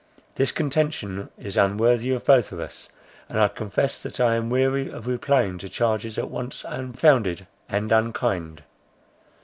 This contention is unworthy of both of us; and I confess that I am weary of replying to charges at once unfounded and unkind."